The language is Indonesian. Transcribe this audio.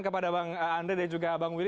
kepada bang andre dan juga bang will